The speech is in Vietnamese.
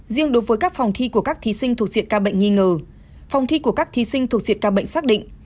riêng đối với các phòng thi của các thí sinh thuộc diện ca bệnh nghi ngờ phòng thi của các thí sinh thuộc diện ca bệnh xác định